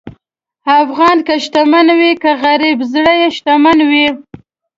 افغان که شتمن وي که غریب، زړه یې شتمن وي.